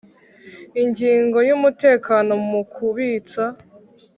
ingingo y umutekano mu kubitsa